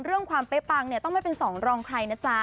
เรื่องความเป๊ะปังเนี่ยต้องไม่เป็นสองรองใครนะจ๊ะ